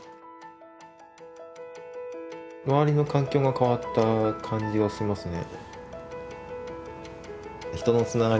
周りの環境が変わった感じがしますね。